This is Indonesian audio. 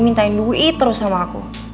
minta duit terus sama aku